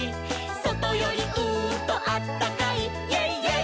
「そとよりうーんとあったかい」「イェイイェイ！